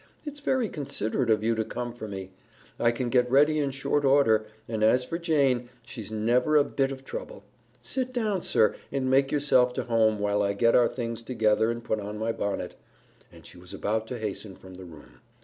"It's very considerate of you to come for me. I can get ready in short order, and as for Jane, she's never a bit of trouble. Sit down, sir, and make yourself to home while I get our things together and put on my bonnet;" and she was about to hasten from the room.